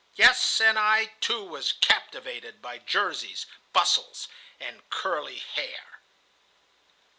"Yes, and I, too, was captivated by jerseys, bustles, and curly hair."